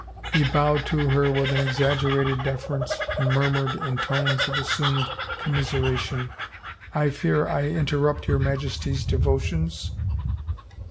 He bowed to her with an exaggerated defer ence and murmured in tones of assumed commiseration, " I fear I interrupt your Majesty's devotions?